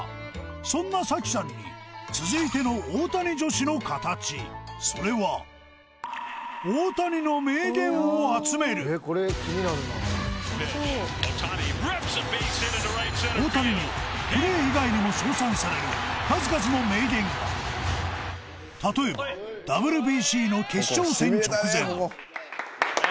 そんな早紀さんに続いてのそれは大谷にはプレー以外にも称賛される数々の名言が例えばＷＢＣの決勝戦直前え